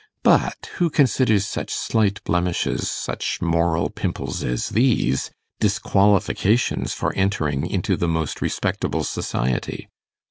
But who considers such slight blemishes, such moral pimples as these, disqualifications for entering into the most respectable society!